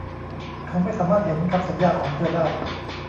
เขาไม่สามารถเห็นคำสัญญาของเธอได้